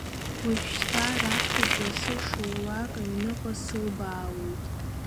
Уажәшьҭа, раԥхьатәи асы шоулак аҩныҟа сылбаауеит.